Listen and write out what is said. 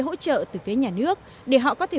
hỗ trợ từ phía nhà nước để họ có thể